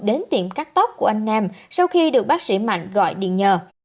đến tiệm cắt tóc của anh nam sau khi được bác sĩ mạnh gọi điện nhờ